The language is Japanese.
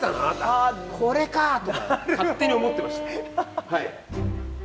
あこれかとか勝手に思ってました。